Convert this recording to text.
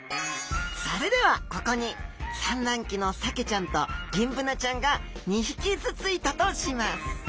それではここに産卵期のサケちゃんとギンブナちゃんが２匹ずついたとします。